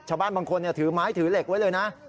ชาวบ้านบางคนถือไม้ถือเหล็กไว้เลยนะ